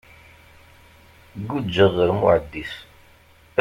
Guǧǧeɣ ɣer Muɛdis.